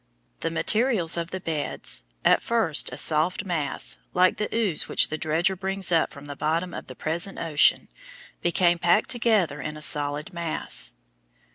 The materials of the beds, at first a soft mass like the ooze which the dredger brings up from the bottom of the present ocean, became packed together in a solid mass.